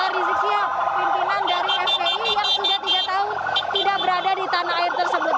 rizik sihab pimpinan dari fpi yang sudah tiga tahun tidak berada di tanah air tersebut